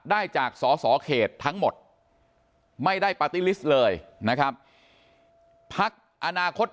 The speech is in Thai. ได้จากสอสอเขตทั้งหมดไม่ได้ปาร์ตี้ลิสต์เลยนะครับพักอนาคต